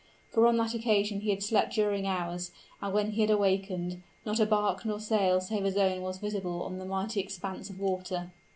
For on that occasion he had slept during hours; and when he had awakened, not a bark nor sail save his own was visible on the mighty expanse of water.